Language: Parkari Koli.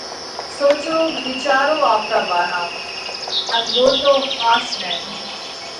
سوچو وِيچارو آپرا ڀارا ۾، ان ڳوتو ۿاس نئہ!